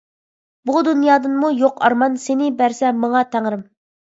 بۇ دۇنيادىنمۇ يوق ئارمان، سىنى بەرسە ماڭا تەڭرىم.